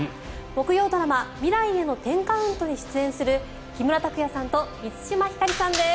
木曜ドラマ「未来への１０カウント」に出演する木村拓哉さんと満島ひかりさんです。